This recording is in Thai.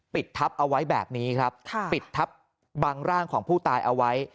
ปิดทับเอาไว้แบบนี้ครับปิดทับบังร่างของผู้ตายเอาไว้